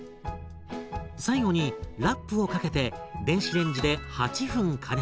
最後にラップをかけて電子レンジで８分加熱。